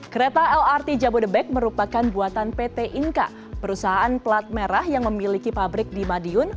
kereta lrt jabodebek merupakan buatan pt inka perusahaan pelat merah yang memiliki pabrik di madiun